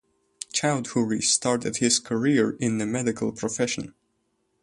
Chowdhury started his career in the medical profession.